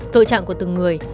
tội trạng của từng người